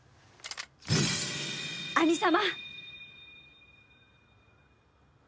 兄様！